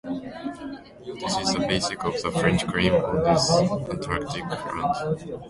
This is the basis of the French claim on this Antarctic land.